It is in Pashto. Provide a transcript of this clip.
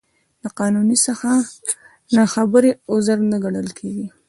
د قانون څخه نا خبري، عذر نه ګڼل کېږي.